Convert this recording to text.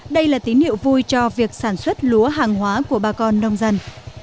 đây là tín hiệu vui cho việc sản xuất lúa hàng hóa của bà con nông dân